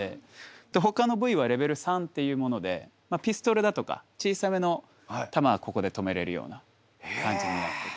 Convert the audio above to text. でほかの部位はレベル３っていうものでピストルだとか小さめの弾はここで止めれるような感じになってて。